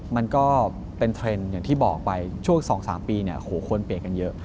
มันก็เป็นเทรนด์อย่างที่บอกไปช่วง๒๓ปีคนเปลี่ยนกันเยอะ